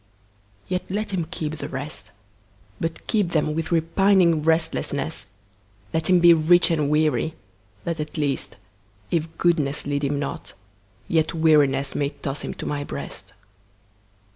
Yet let him keep the rest, But keep them with repining restlessness; Let him be rich and weary, that at least, If goodness lead him not, yet wearinessMay toss him to My breast.